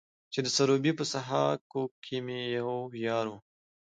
چې د سروبي په سهاکو کې مې يو يار و.